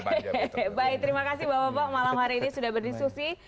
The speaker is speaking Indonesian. oke baik terima kasih bapak bapak malam hari ini sudah berdiskusi